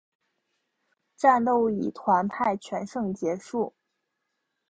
战斗以团派全胜结束。